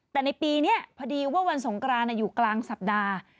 แต่ในปีนี้พอดีว่าวันสงกรานอยู่กลางสัปดาห์